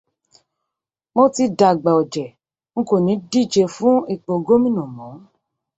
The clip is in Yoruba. Mo ti dàgbà ọ̀jẹ̀, n kò ní díje fún ipò gómìnà mọ́.